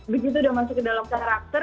begitu udah masuk ke dalam karakter